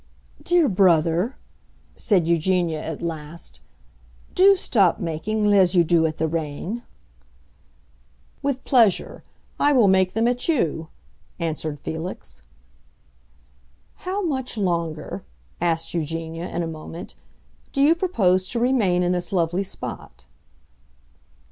"Dear brother," said Eugenia at last, "do stop making les yeux doux at the rain." "With pleasure. I will make them at you!" answered Felix. "How much longer," asked Eugenia, in a moment, "do you propose to remain in this lovely spot?"